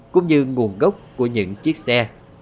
cũng như nguồn gốc của những chiếc xe